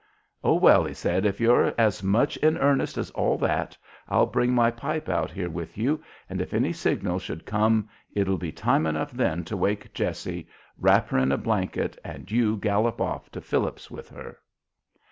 "Oh, well!" he said, "if you're as much in earnest as all that, I'll bring my pipe out here with you, and if any signal should come, it'll be time enough then to wake Jessie, wrap her in a blanket, and you gallop off to Phillips's with her."